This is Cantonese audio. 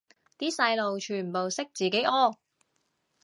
啲細路全部識自己屙